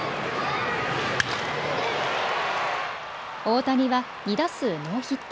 大谷は２打数ノーヒット。